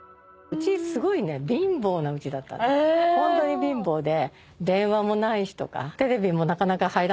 ホントに貧乏で。